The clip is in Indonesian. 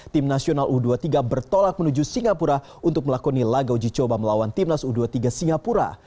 tim nasional u dua puluh tiga bertolak menuju singapura untuk melakoni laga uji coba melawan timnas u dua puluh tiga singapura